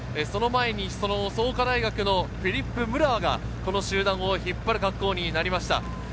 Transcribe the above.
その前に創価大のフィリップ・ムルワがこの集団を引っ張る格好になりました。